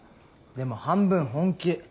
でも半分本気。